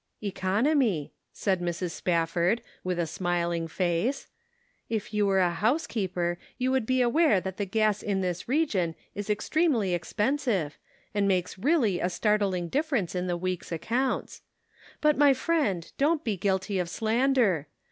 " Economy," said Mrs. Spafford, with a smil ing face. " If you were a housekeeper you would be aware that the gas in this region is extremely expensive, and makes really a start ling difference in the week's accounts. But my friend, don't be guilty of slander.